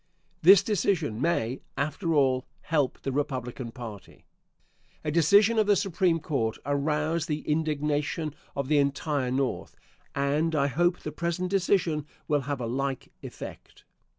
This decision may, after all, help the Republican party. A decision of the Supreme Court aroused the indignation of the entire North, and I hope the present decision will have a like effect.